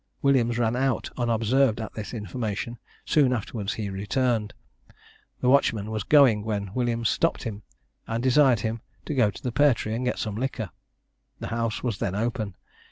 Williams ran out unobserved at this information; soon afterwards he returned. The watchman was going, when Williams stopped him, and desired him to go to the Pear Tree and get some liquor. The house was then open.